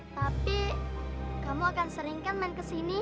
tapi kamu akan seringkan main kesini